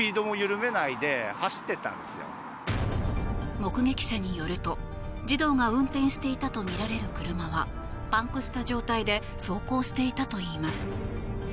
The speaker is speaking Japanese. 目撃者によると、児童が運転していたとみられる車はパンクした状態で走行していたといいます。